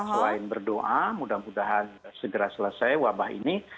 selain berdoa mudah mudahan segera selesai wabah ini